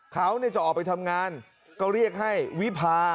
เขาจะออกไปทำงานก็เรียกให้วิพา